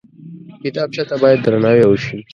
کتابچه ته باید درناوی وشي